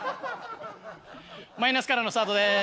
マイナスからのスタートです。